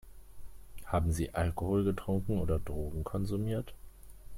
Haben Sie Alkohol getrunken oder Drogen konsumiert?